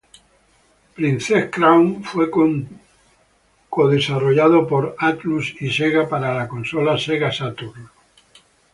Princess Crown fue co-desarrollado por Atlus y Sega para la consola Sega Saturn.